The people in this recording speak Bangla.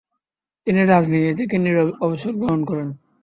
তিনি রাজনীতি থেকে নীরবে অবসর গ্রহণ করেন।